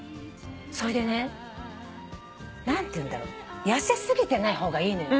それでね何ていうんだろう痩せ過ぎてない方がいいのよ。